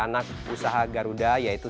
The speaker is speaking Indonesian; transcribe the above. anak usaha garuda yaitu